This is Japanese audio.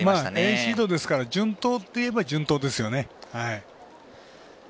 Ａシードですから順当といえば順当ですよね。